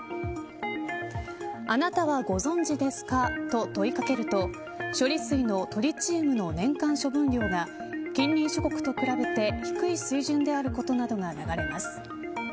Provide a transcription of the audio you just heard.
あなたはご存じですか、と問いかけると処理水のトリチウムの年間処分量が近隣諸国と比べて低い水準であることなどが流れます。